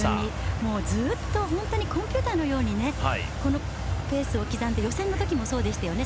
もうずっと本当にコンピューターのようにこのペースを刻んで予選の時もそうでしたよね。